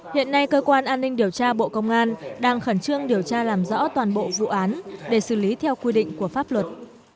hiện nay cơ quan an ninh điều tra bộ công an đang khẩn trương điều tra làm rõ toàn bộ vụ án để xử lý theo quy định của pháp luật